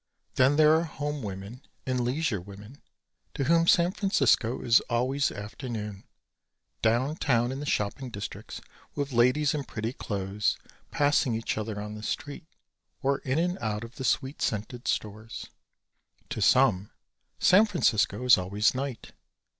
Then there are home women and leisure women to whom San Francisco is always afternoon, down town in the shopping district with ladies in pretty clothes passing each other on the street or in and out of the sweet scented stores. To some, San Francisco is always night.